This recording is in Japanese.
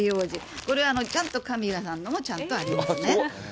これはちゃんとカミラさんのも、ちゃんとありますね。